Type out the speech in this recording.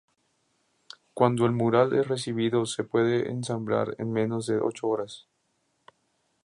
Cuando el mural es recibido se puede ensamblar en menos de ocho horas.